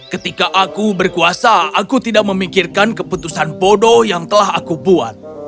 ketika aku berkuasa aku tidak memikirkan keputusan bodoh yang telah aku buat